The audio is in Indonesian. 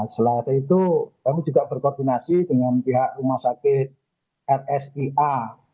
selain itu kami juga berkoordinasi dengan pihak rumah sakit rsia